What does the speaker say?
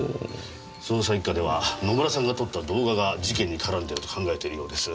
捜査一課では野村さんが撮った動画が事件に絡んでいると考えているようです。